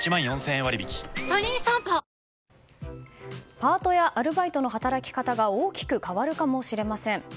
パートやアルバイトの働き方が大きく変わるかもしれません。